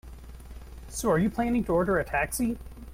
So, are you planning to order a taxi?